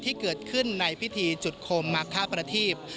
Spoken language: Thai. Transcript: ที่เกิดขึ้นในพิธีจุดโคมมาฆ่าประทีป